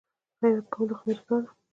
خیرات کول د خدای رضا ده.